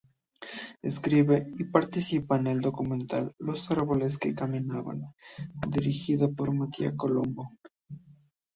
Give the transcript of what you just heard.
Escribe y participa en el documental "Los árboles que caminan", dirigido por Mattia Colombo.